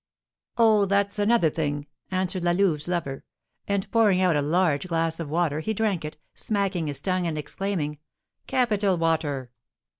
"Oh, that's another thing!" answered La Louve's lover. And pouring out a large glass of water, he drank it, smacking his tongue, and exclaiming, "Capital water!"